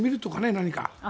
何か。